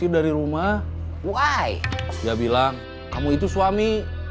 dia bilang kamu itu suami